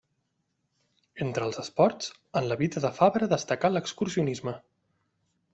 Entre els esports, en la vida de Fabra destacà l'excursionisme.